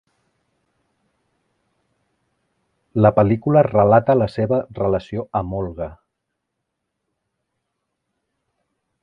La pel·lícula relata la seva relació amb Olga.